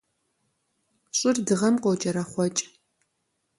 Щӏыр Дыгъэм къокӏэрэхъуэкӏ.